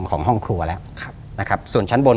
ของห้องครัวแล้วส่วนชั้นบน